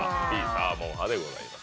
サーモン派でございます。